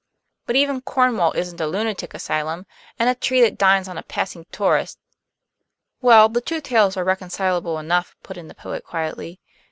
But even Cornwall isn't a lunatic asylum, and a tree that dines on a passing tourist " "Well, the two tales are reconcilable enough," put in the poet quietly.